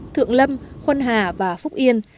thượng lâm khuân hà và phúc yên